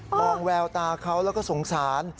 งแววตาเขาแล้วก็สงสาร